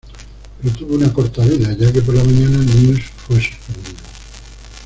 Pero tuvo una corta vida, ya que, por la mañana"News" fue suspendido.